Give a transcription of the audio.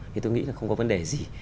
thì tôi nghĩ là không có vấn đề gì